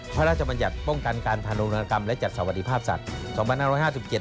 พระราชบัญญัติป้องกันการธรรมดาลกรรมและจัดสวัสดิภาพศัตริย์